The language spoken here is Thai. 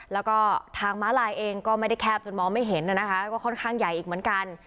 แล้วก็ทางม้าลายเองก็ไม่ได้แคบจนมองไม่เห็นนะคะก็ค่อนข้างใหญ่อีกเหมือนกัน